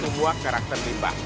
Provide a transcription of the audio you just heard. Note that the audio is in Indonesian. karena ini karakter limbah